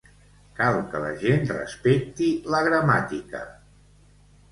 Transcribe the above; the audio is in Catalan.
Cal que la gent respecti la gramàtica.